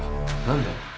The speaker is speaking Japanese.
何だよ？